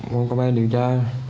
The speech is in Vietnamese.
một bài điều tra